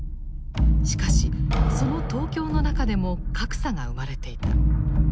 しかしその東京の中でも格差が生まれていた。